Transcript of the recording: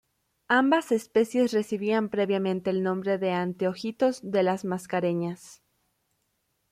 Ambas especies recibían previamente el nombre de Anteojitos de las Mascareñas.